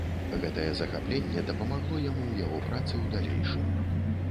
Гэтае захапленне дапамагло яму ў яго працы ў далейшым.